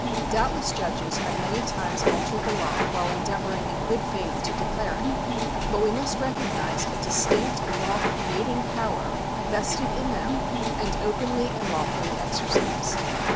Doubtless judges have many times altered the law while endeavouring in good faith to declare it. But we must recognise a distinct law creating power vested in them and openly and lawfully exercised.